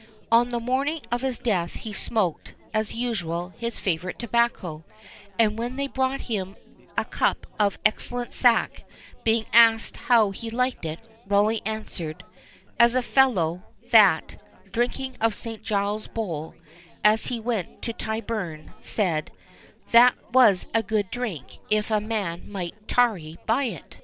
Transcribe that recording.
On the morning of his death he smoked, as usual, his favourite tobacco, and when they brought him a cup of excellent sack, being asked how he liked it, Rawleigh answered "As the fellow, that, drinking of St. Giles's bowl, as he went to Tyburn, said, 'that was good drink if a man might tarry by it.'"